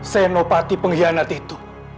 senopati pengkhianat itu